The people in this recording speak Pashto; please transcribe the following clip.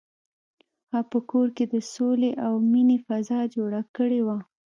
هغه په کور کې د سولې او مینې فضا جوړه کړې وه.